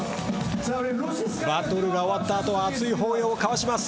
バトルが終わったあとは熱い抱擁を交わします。